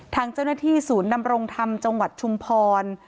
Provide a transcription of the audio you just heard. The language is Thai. ทางเจ้าหน้าที่ศูนย์ดำรงธรรมจังหวัดชุมพร